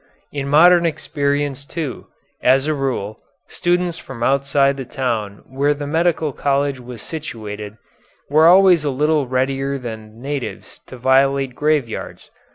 In modern experience, too, as a rule, students from outside of the town where the medical college was situated, were always a little readier than natives to violate graveyards.